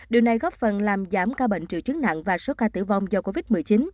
điều này góp phần làm giảm ca bệnh triệu chứng nặng và số ca tử vong do covid một mươi chín